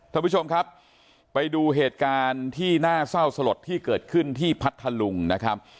ท่านผู้ชมครับไปดูเหตุการณ์ที่น่าเศร้าสลดที่เกิดขึ้นที่พัทธลุงนะครับ